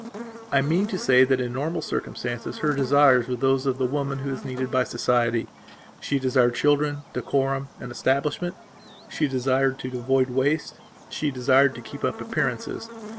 I mean to say that in normal circumstances her desires were those of the woman who is needed by society. She desired children, decorum, an establishment; she desired to avoid waste, she desired to keep up appearances.